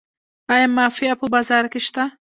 آیا مافیا په بازار کې شته؟